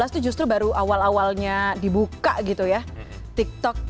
dua ribu enam belas tuh justru baru awal awalnya dibuka gitu ya tiktok